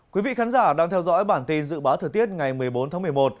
quý vị khán giả đang theo dõi bản tin dự báo thời tiết ngày một mươi bốn tháng một mươi một